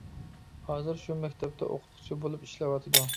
ھازىر شۇ مەكتەپتە ئوقۇتقۇچى بولۇپ ئىشلەۋاتىدۇ.